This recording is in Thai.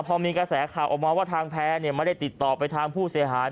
พอมีกระแสข่าวออกมาว่าทางแพ้ไม่ได้ติดต่อไปทางผู้เสียหาย